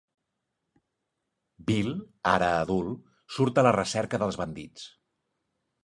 Bill, ara adult, surt a la recerca dels bandits.